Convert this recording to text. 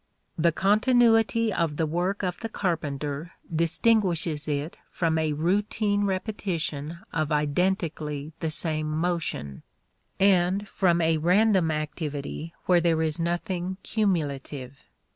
The continuity of the work of the carpenter distinguishes it from a routine repetition of identically the same motion, and from a random activity where there is nothing cumulative.